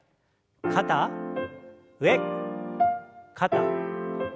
肩上肩下。